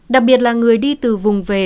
đặc biệt là người đi từ vùng về